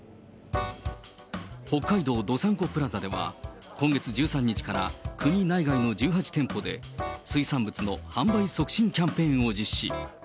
北海道どさんこプラザでは、今月１３日から国内外の１８店舗で水産物の販売促進キャンペーンを実施。